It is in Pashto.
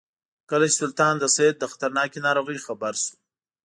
کله چې سلطان د سید له خطرناکې ناروغۍ خبر شو.